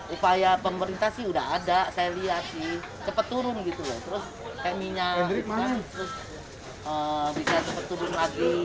upaya pemerintah sudah ada saya lihat cepat turun terus eminya bisa cepat turun lagi